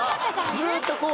ずっとこう。